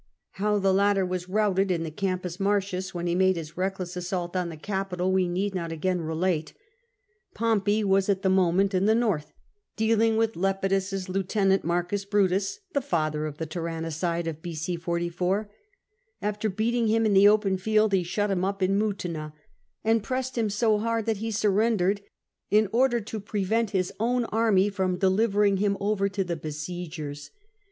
How the latter was routed in the Campus Martins when he made his reckless assault on the capital we need not again relate. Pompey was at the moment in the north, dealing with Lepidus's lieutenant, M. Brutus (the father of the tyrannicide of B.o. 44) ; after beating him in the open field he shut him up in Mutina, and pressed him so hard that he surrendered, in order to prevent his own army from delivering him over to the besiegers.